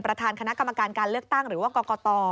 ประธานคณะกรรมการการเลือกตั้งหรือว่ากรกต